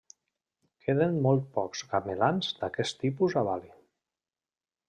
Queden molt pocs gamelans d'aquest tipus a Bali.